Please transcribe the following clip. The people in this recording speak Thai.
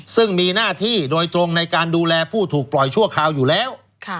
ซึ่งมีหน้าที่โดยตรงในการดูแลผู้ถูกปล่อยชั่วคราวอยู่แล้ว